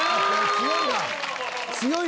強いな。